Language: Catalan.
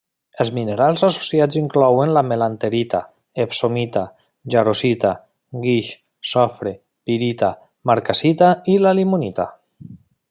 Els minerals associats inclouen la melanterita, epsomita, jarosita, guix, sofre, pirita, marcassita i la limonita.